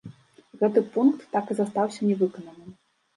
Гэты пункт так і застаўся не выкананым.